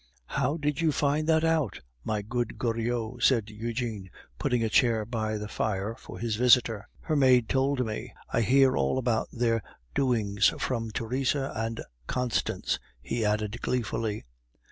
"How did you find that out, my good Goriot?" said Eugene, putting a chair by the fire for his visitor. "Her maid told me. I hear all about their doings from Therese and Constance," he added gleefully.